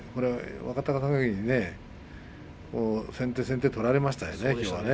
若隆景に先手先手を取られましたね。